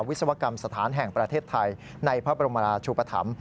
วิศวกรรมสถานแห่งประเทศไทยในพระบรมราชุปธรรม